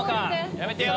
やめてよ！